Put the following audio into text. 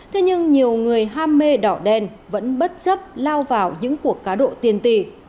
thế nhưng nhiều người ham mê đỏ đen vẫn bất chấp lao vào những cuộc cá độ tiền tỷ